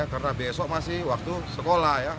karena besok masih waktu sekolah